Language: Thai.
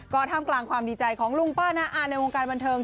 ก็ท่ามกลางความดีใจของลุงป้าน้าอาในวงการบันเทิง